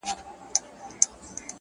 پوره مرسته نه کوي